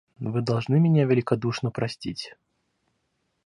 Вы должны меня великодушно простить...